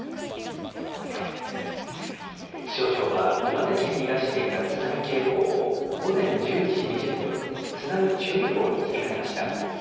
気象庁は、岩手県に出していた津波警報を、午前１１時２０分、津波注意報に切り替えました。